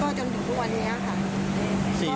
ก็จนถึงวันนี้ค่ะ